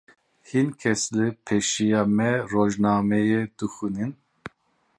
Hin kes li pêşiya me rojnameyê dixwînin.